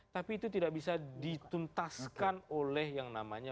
tapi itu tidak bisa dituntaskan oleh yang namanya